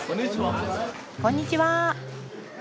こんにちは。